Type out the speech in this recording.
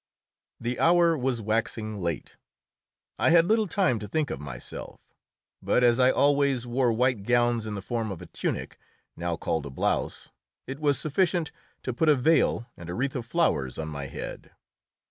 The hour was waxing late. I had little time to think of myself. But as I always wore white gowns in the form of a tunic now called a blouse it was sufficient to put a veil and a wreath of flowers on my head.